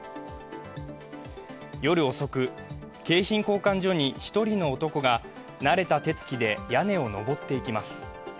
夜遅く、景品交換所に１人の男が慣れた手つきで屋根を上っていきます。